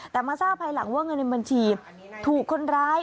แต่มาทราบภายหลังว่าเงินในบัญชีถูกคนร้าย